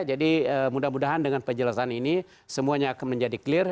jadi mudah mudahan dengan penjelasan ini semuanya akan menjadi clear